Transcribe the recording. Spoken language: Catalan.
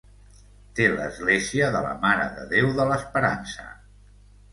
Té l'església de la Mare de Déu de l'Esperança.